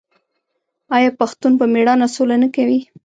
آیا پښتون په میړانه سوله نه کوي؟